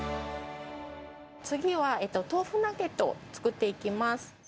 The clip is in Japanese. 次は豆腐ナゲットを作っていきます。